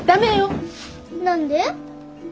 何で？